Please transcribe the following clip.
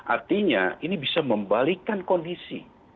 artinya ini bisa membalikan kondisi